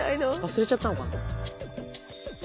忘れちゃったのかな？